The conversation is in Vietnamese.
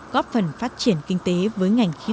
góp phần phát triển kinh tế với ngành khí tử văn